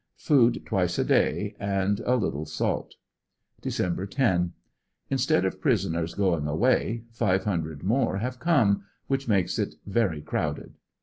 Food twice to day and a lit.le salt Dec 10. — Instead of prisoners going away five hundred more have come, which makes it very crowded.